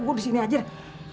gue disini aja deh